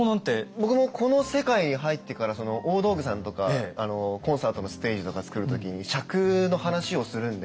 僕もこの世界に入ってから大道具さんとかコンサートのステージとか作る時に尺の話をするんで。